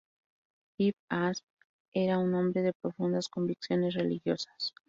Ibn Hazm era un hombre de profundas convicciones religiosas.